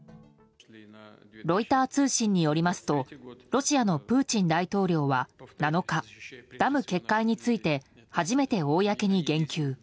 ロイター通信によりますとロシアのプーチン大統領は７日、ダム決壊について初めて公に言及。